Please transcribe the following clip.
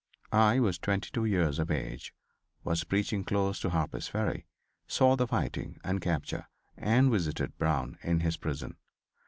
I was 22 years of age, was || preaching close to Harper's Ferry, saw the fighting and || capture and visited Brown in his prison.